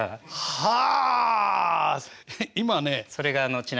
はあ。